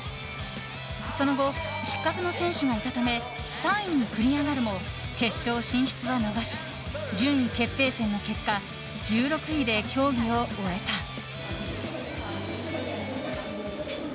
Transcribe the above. その後、失格の選手がいたため３位に繰り上がるも決勝進出は逃し順位決定戦の結果１６位で競技を終えた。